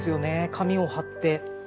紙を貼って。